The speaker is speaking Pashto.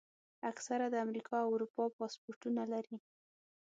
اکثره د امریکا او اروپا پاسپورټونه لري.